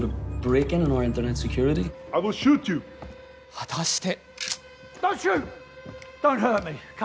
果たして。